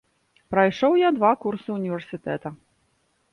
Прайшоў я два курсы універсітэта.